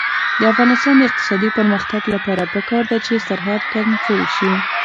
د افغانستان د اقتصادي پرمختګ لپاره پکار ده چې سرحد کنټرول وي.